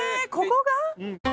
ここが？